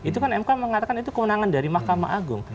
itu kan mk mengatakan itu kewenangan dari mahkamah agung